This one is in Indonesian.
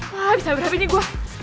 wah bisa berhenti nih gua